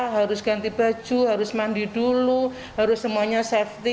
harus ganti baju harus mandi dulu harus semuanya safety